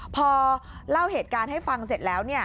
พอเล่าเหตุการณ์ให้ฟังเสร็จแล้ว